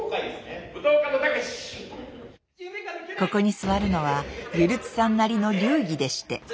ここに座るのはゆるつさんなりの流儀でして。